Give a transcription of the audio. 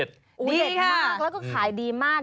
ดีค่ะแล้วก็ขายดีมาก